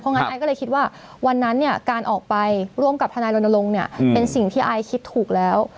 งั้นไอซ์ก็เลยคิดว่าวันนั้นเนี่ยการออกไปร่วมกับทนายรณรงค์เนี่ยเป็นสิ่งที่ไอซ์คิดถูกแล้ว